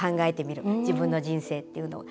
自分の人生っていうのを。